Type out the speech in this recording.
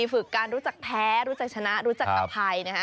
ฝึกการรู้จักแพ้รู้จักชนะรู้จักอภัยนะฮะ